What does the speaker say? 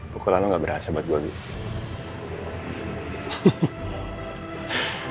pukulan lo gak berhasil buat gue gede